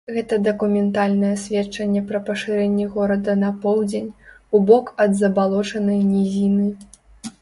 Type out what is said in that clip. Гэта дакументальнае сведчанне пра пашырэнне горада на поўдзень, у бок ад забалочанай нізіны.